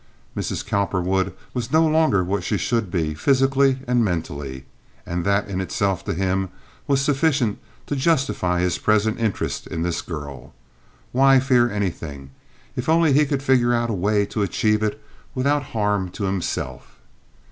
Mrs. Cowperwood was no longer what she should be physically and mentally, and that in itself to him was sufficient to justify his present interest in this girl. Why fear anything, if only he could figure out a way to achieve it without harm to himself?